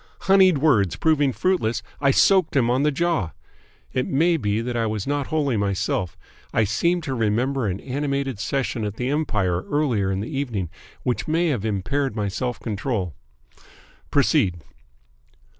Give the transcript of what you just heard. Honeyed words proving fruitless, I soaked him on the jaw. It may be that I was not wholly myself. I seem to remember an animated session at the Empire earlier in the evening, which may have impaired my self control. Proceed!"